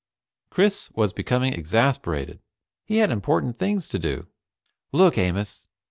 Chris was becoming exasperated. He had important things to do. "Look, Amos.